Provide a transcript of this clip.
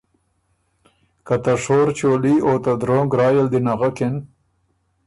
که ته شور چولي او ته درونګ رایٛ ال دی نغکِن